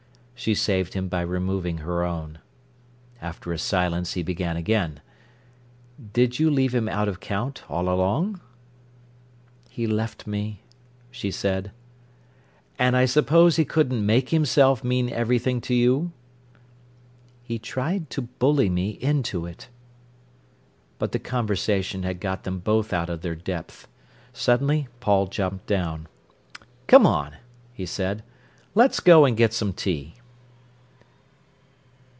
She saved him by removing her own. After a silence, he began again: "Did you leave him out of count all along?" "He left me," she said. "And I suppose he couldn't make himself mean everything to you?" "He tried to bully me into it." But the conversation had got them both out of their depth. Suddenly Paul jumped down. "Come on," he said. "Let's go and get some tea."